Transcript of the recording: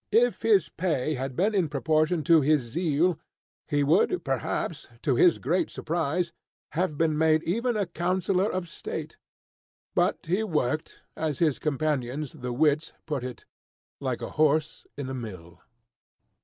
If his pay had been in proportion to his zeal, he would, perhaps, to his great surprise, have been made even a councillor of state. But he worked, as his companions, the wits, put it, like a horse in a mill.